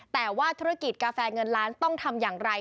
แต่ว่าธุรกิจกาแฟเงินล้านต้องทำอย่างไร